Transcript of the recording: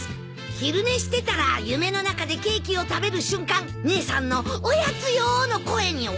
昼寝してたら夢の中でケーキを食べる瞬間姉さんの「おやつよ」の声に起こされちゃった。